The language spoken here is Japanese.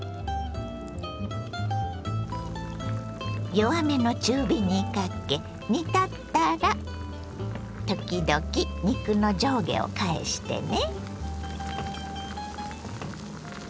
弱めの中火にかけ煮立ったら時々肉の上下を返してね。